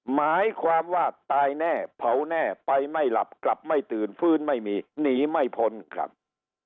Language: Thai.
หมายความว่าตายแน่เผาแน่ไปไม่หลับกลับไม่ตื่นฟื้นไม่มีหนีไม่พ้นครับ